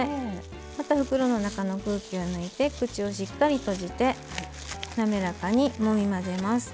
また袋の中の空気を抜いて口をしっかり閉じて滑らかにもみ混ぜます。